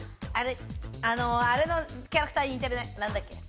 あれのキャラクターに似てるね。